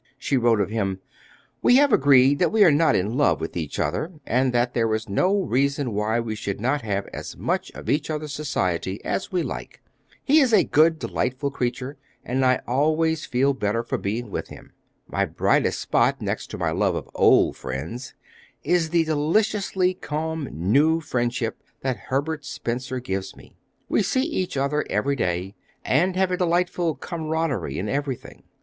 She wrote of him: "We have agreed that we are not in love with each other, and that there is no reason why we should not have as much of each other's society as we like. He is a good, delightful creature, and I always feel better for being with him.... My brightest spot, next to my love of old friends, is the deliciously calm, new friendship that Herbert Spencer gives me. We see each other every day, and have a delightful camaraderie in everything.